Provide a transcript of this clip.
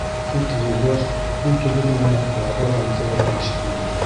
Тик Юлдаш күл төбөнә лә, ярға ла ынтылырға ашыҡманы.